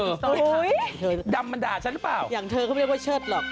เฮ้ยเธอนั้นไงทระวังดำมันด่าฉันหรือเปล่า